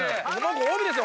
ご褒美ですよ